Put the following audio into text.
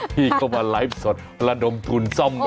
พี่ก็มาไลฟ์สดระดมทุนซ่อมเอง